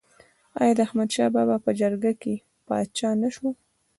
آیا احمد شاه بابا په جرګه پاچا نه شو؟